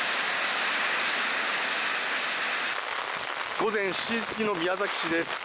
午前７時過ぎの宮崎市です。